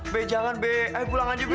be jangan be ayo pulang aja be